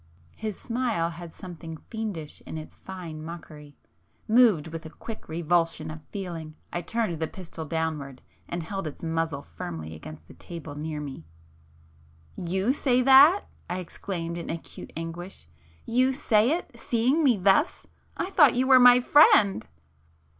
His smile had something fiendish in its fine mockery;—moved with a quick revulsion of feeling I turned the pistol downwards and held its muzzle firmly against the table near me. "You say that!" I exclaimed in acute anguish,—"you say it—seeing me thus! I thought you were my friend!"